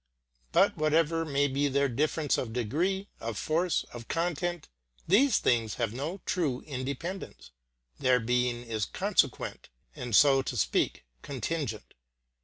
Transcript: But whatever may be their difference of degree, of force, of content, these things have no true independence; their being is consequent, and, so to speak, contingent.